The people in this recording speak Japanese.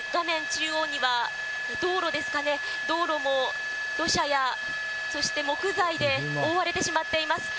中央には、道路ですかね、道路も土砂やそして木材で覆われてしまっています。